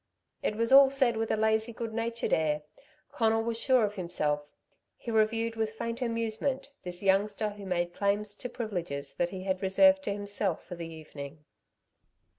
It was all said with a lazy good natured air. Conal was sure of himself. He reviewed with faint amusement this youngster who made claims to privileges that he had reserved to himself for the evening.